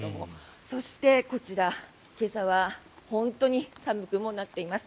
そして、こちら、今朝は本当に寒くもなっています。